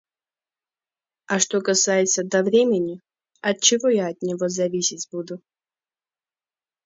А что касается до времени - отчего я от него зависеть буду?